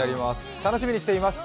楽しみにしています。